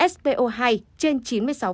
spo hai trên chín mươi sáu khi thở khí trời